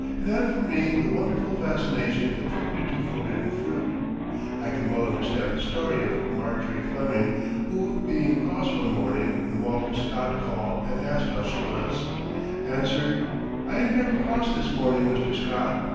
It had for me the wonderful fascination attributed to forbidden fruit. I can well understand the story of Marjory Fleming, who being cross one morning when Walter Scott called and asked how she was, answered: "I am very cross this morning, Mr. Scott.